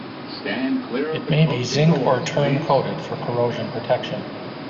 It may be zinc- or terne- coated for corrosion protection.